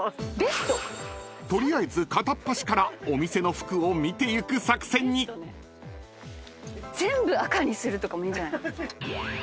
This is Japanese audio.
［取りあえず片っ端からお店の服を見ていく作戦に］全部赤にするとかもいいんじゃない？